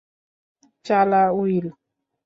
চালা, উইল।